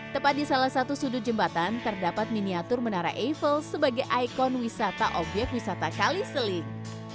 tepat di salah satu sudut jembatan terdapat miniatur menara eiffle sebagai ikon wisata obyek wisata kali seling